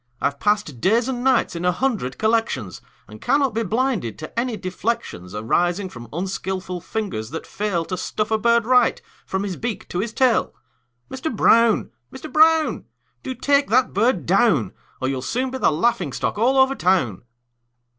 I've passed days and nights in a hundred collections, And cannot be blinded to any deflections Arising from unskilful fingers that fail To stuff a bird right, from his beak to his tail. Mister Brown! Mister Brown! Do take that bird down, Or you'll soon be the laughing stock all over town!"